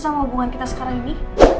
sama hubungan kita sekarang ini